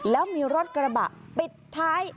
แล้วมีรถกระบะปิดท้าย